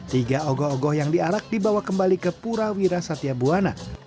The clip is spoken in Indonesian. tiga ogoh ogoh yang diarak dibawa kembali ke pura wira satya buwana